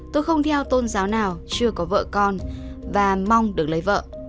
tôi không theo tôn giáo nào chưa có vợ con và mong được lấy vợ